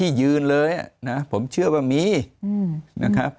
ยืนเลยนะผมเชื่อว่ามีนะครับ